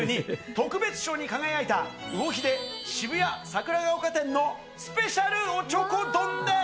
特別賞に輝いた、魚秀渋谷桜ヶ丘店のスペシャルおちょこ丼です。